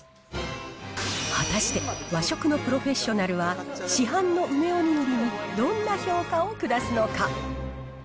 果たして、和食のプロフェッショナルは、市販の梅おにぎりにどんな評価を下すのか。